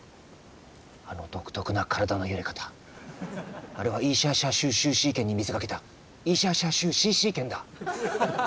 あの独特な体の揺れ方あれはイーシャーシャーシューシューシー拳に見せかけたイーシャーシャーシューシーシー拳だ。